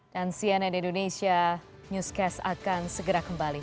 dan cnn indonesia newscast akan segera kembali